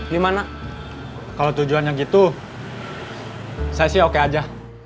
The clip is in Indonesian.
gimana kalau tujuannya gitu saya sih oke aja